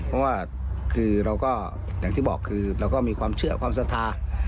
เพราะว่าคือเราก็อย่างที่บอกคือเราก็มีความเชื่อความศรัทธา